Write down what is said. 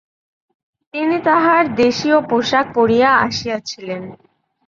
তিনি তাঁহার দেশীয় পোষাক পরিয়া আসিয়াছিলেন।